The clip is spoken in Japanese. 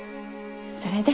それで？